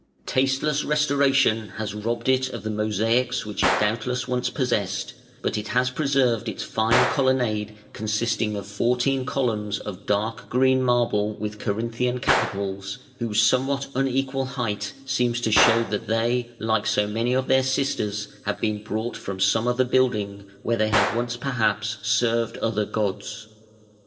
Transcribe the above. Tasteless restoration has robbed it of the mosaics which it doubtless once possessed, but it has preserved its fine colonnade consisting of fourteen columns of dark green marble with Corinthian capitals, whose somewhat unequal height seems to show that they, like so many of their sisters, have been brought from some other building, where they have once perhaps served other gods.